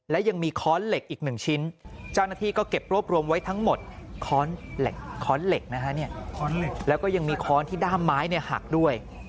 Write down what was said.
และยังมีค้อนเหล็กอีก๑ชิ้นเจ้าหน้าที่ก็เก็บรวบรวมไว้ทั้งหมดค้อนเหล็กนะฮะแล้วก็ยังมีค้อนที่ด้ามไม้หักด้วย